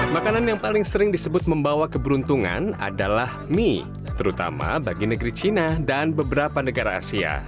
makanan yang paling sering disebut membawa keberuntungan adalah mie terutama bagi negeri cina dan beberapa negara asia